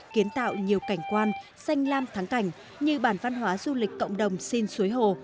kiến tạo nhiều cảnh quan xanh lam thắng cảnh như bản văn hóa du lịch cộng đồng xin suối hồ